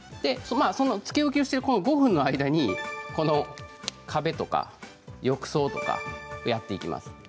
つけ置きをしている５分の間に壁や浴槽をやっていきます。